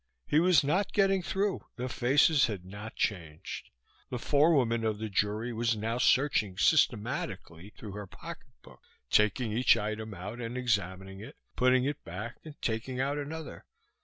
He was not getting through. The faces had not changed. The forewoman of the jury was now searching systematically through her pocketbook, taking each item out and examining it, putting it back and taking out another.